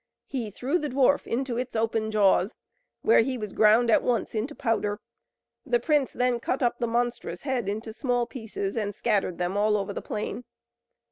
He threw the dwarf into its open jaws, where he was ground at once into powder; the prince then cut up the monstrous head into small pieces, and scattered them all over the plain.